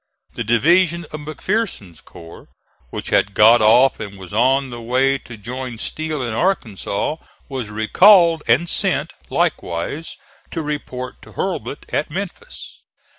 The division of McPherson's corps, which had got off and was on the way to join Steele in Arkansas, was recalled and sent, likewise, to report to Hurlbut at Memphis.